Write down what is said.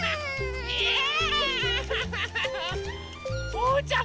おうちゃん